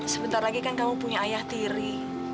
sebentar lagi kan kamu punya ayah tiri